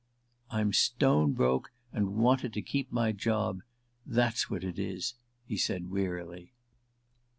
"I'm stone broke, and wanted to keep my job that's what it is," he said wearily